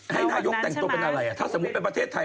ให้นายกแต่งตัวเป็นอะไรถ้าสมมุติเป็นประเทศไทย